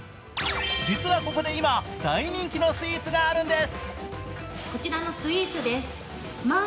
実はここで今、大人気のスイーツがあるんです。